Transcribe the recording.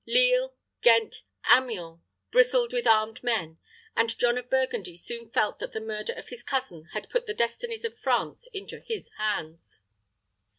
Lille, Ghent, Amiens, bristled with armed men, and John of Burgundy soon felt that the murder of his cousin had put the destinies of France into his hands.